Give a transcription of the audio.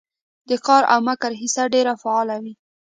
د قار او مکر حصه ډېره فعاله وي